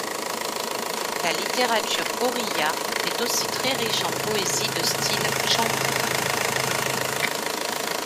La littérature Oriya est aussi très riche en poésie de style tchampou.